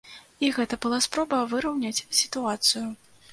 І гэта была спроба выраўняць сітуацыю.